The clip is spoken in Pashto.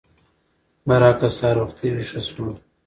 برعکس سهار وختي ويښه شوم.